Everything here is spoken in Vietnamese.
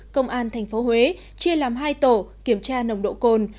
công an tp huế chia làm hai tổ kiểm tra nồng độ cồn